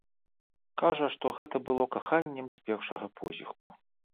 Кажа, што гэта было каханнем з першага позірку.